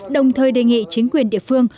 đồng thời đề nghị chính quyền địa phương